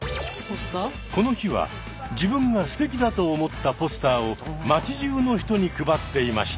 この日は自分がすてきだと思ったポスターを街じゅうの人に配っていました。